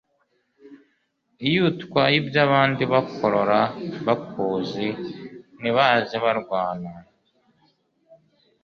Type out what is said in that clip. iyo utwaye ibyabandi bakurora bakuzi ntibaze barwana